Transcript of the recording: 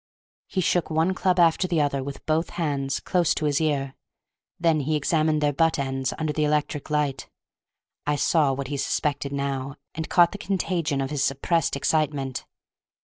He shook one club after the other, with both hands, close to his ear; then he examined their butt ends under the electric light. I saw what he suspected now, and caught the contagion of his suppressed excitement.